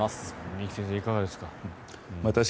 二木先生、いかがですか。